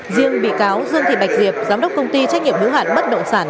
riêng bị cáo dương thị bạch diệp giám đốc công ty trách nhiệm hữu hạn bất động sản